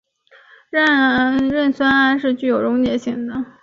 壬酸铵是具有溶解性的。